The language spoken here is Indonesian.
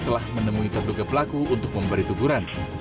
telah menemui terduga pelaku untuk memberi teguran